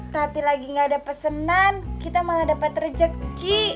tati lagi gak ada pesenan kita malah dapat rejeki